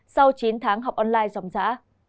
sau chín tháng học online ròng rã